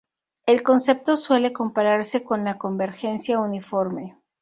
El concepto suele compararse con la convergencia uniforme.